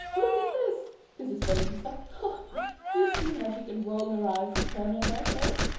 ] Look at this! This is for Lisa, ha! Do you see how she can roll her eyes and turn her head, eh?